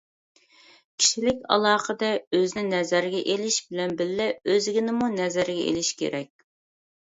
كىشىلىك ئالاقىدە ئۆزىنى نەزەرگە ئېلىش بىلەن بىللە، ئۆزگىنىمۇ نەزەرگە ئېلىش كېرەك.